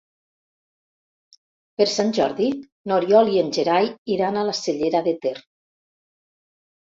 Per Sant Jordi n'Oriol i en Gerai iran a la Cellera de Ter.